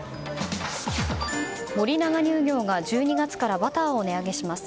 森永乳業が１２月からバターを値上げします。